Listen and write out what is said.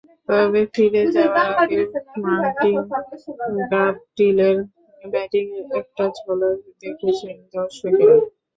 তবে ফিরে যাওয়ার আগে মার্টিন গাপটিলের ব্যাটিংয়ের একটা ঝলক দেখেছেন দর্শকেরা।